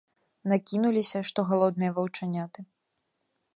Накінуліся, што галодныя ваўчаняты.